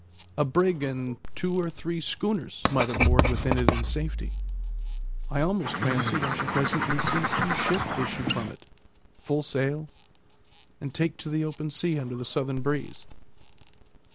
A brig and two or three schooners might have moored within it in safety. I almost fancied I should presently see some ship issue from it, full sail, and take to the open sea under the southern breeze.